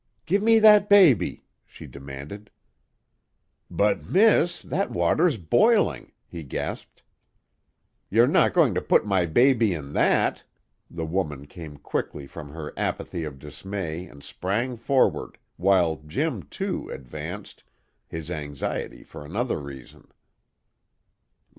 "Give me that baby!" she demanded. "But, miss, that water's boiling!" he gasped. "You're not going to put my baby in that?" The woman came quickly from her apathy of dismay and sprang forward, while Jim, too, advanced, his anxiety for another reason.